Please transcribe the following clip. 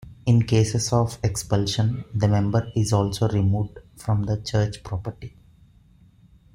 In cases of expulsion the member is also removed from the church property.